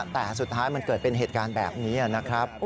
แต่สุดท้ายมันเกิดเป็นเหตุการณ์แบบนี้นะครับ